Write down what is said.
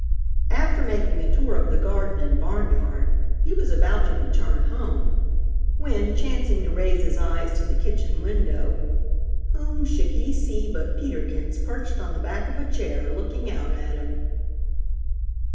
After making a tour of the garden and barnyard, he was about to return home, when, chancing to raise his eyes to the kitchen window, whom should he see but Peter Kins perched on the back of a chair, looking out at him.